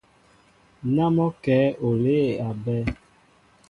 Ná mɔ́ o kɛ̌ olê a bá.